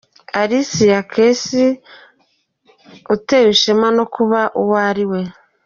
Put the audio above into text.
Alicia Keys utewe ishema no kuba uwo ari we.